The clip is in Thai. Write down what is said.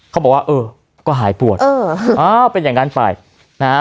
เขาบอกว่าเออก็หายปวดเอออ้าวเป็นอย่างนั้นไปนะฮะ